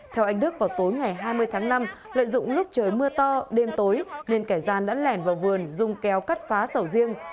theo anh đức vào tối ngày hai mươi tháng năm lợi dụng lúc trời mưa to đêm tối nên kẻ gian đã lẻn vào vườn dùng kéo cắt phá sầu riêng